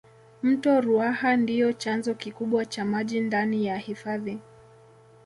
mto ruaha ndiyo chanzo kikubwa cha maji ndani ya hifadhi